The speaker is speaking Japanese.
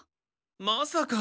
まさか！